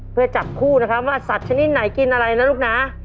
เพื่อจับคู่นะครับว่าสัตว์ชนิดไหนกินอะไรนะลูกนะ